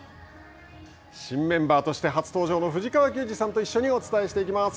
新メンバーとして初登場の藤川球児さんと一緒にお伝えしていきます。